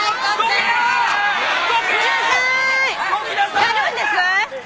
やるんです！？